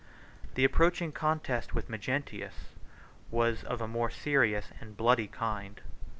79 The approaching contest with Magnentius was of a more serious and bloody kind.